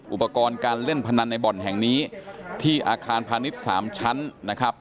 อุปกรณ์การเล่นพนันในบ่อนแห่งนี้ที่อาคารพาณิชย์๓ชั้นนะครับ